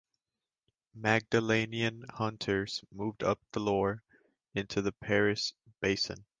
Magdalenian hunters moved up the Loire into the Paris Basin.